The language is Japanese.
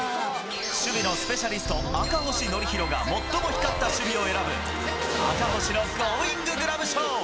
守備のスペシャリスト、赤星憲広が、最も光った守備を選ぶ、赤星のゴーインググラブ賞。